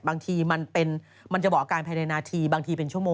บางทีมันจะบอกอาการภายในนาทีบางทีเป็นชั่วโมง